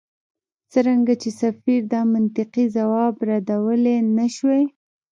څرنګه چې سفیر دا منطقي ځواب ردولای نه شوای.